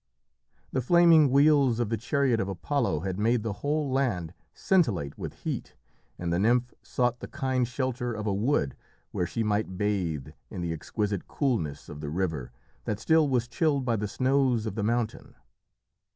The flaming wheels of the chariot of Apollo had made the whole land scintillate with heat, and the nymph sought the kind shelter of a wood where she might bathe in the exquisite coolness of the river that still was chilled by the snows of the mountain.